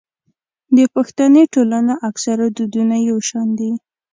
د پښتني ټولنو اکثره دودونه يو شان دي.